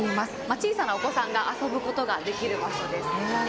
小さなお子さんが遊ぶことができる場所です。